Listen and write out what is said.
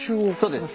そうです。